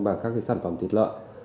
vào các sản phẩm thịt lợn